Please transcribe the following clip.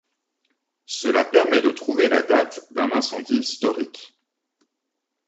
Cela permet de trouver la date d'un incendie historique.